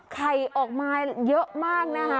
ไข่ออกมาเยอะมากนะคะ